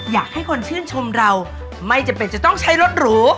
อยากให้คนชื่นชมเราไม่จำเป็นจะต้องใช้รถหรู